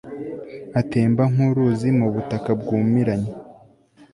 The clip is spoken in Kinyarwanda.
atemba nk'uruzi mu butaka bwumiranye